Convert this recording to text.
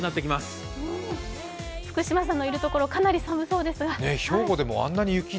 福島さんのいるところかなり寒そうですが。